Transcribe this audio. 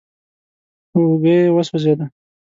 اوږه يې وسوځېده.